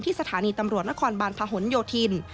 สถานีตำรวจนครบาลพหนโยธิน